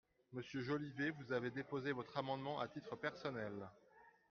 Monsieur Jolivet, vous avez déposé votre amendement à titre personnel.